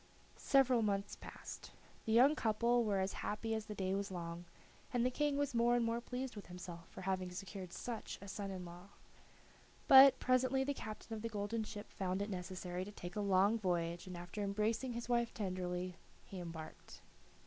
Several months passed. The young couple were as happy as the day was long, and the King was more and more pleased with himself for having secured such a son in law. But, presently, the captain of the golden ship found it necessary to take a long voyage, and after embracing his wife tenderly he embarked.